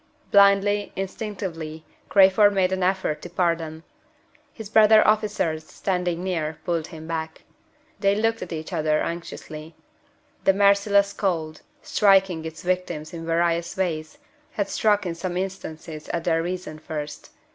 Blindly, instinctively, Crayford made an effort to part them. His brother officers, standing near, pulled him back. They looked at each other anxiously. The merciless cold, striking its victims in various ways, had struck in some instances at their reason first.